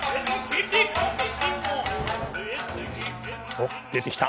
おっ出てきた。